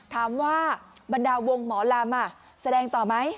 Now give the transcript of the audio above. ถามว่าบรรดาวงหมอลำแสดงต่อไหม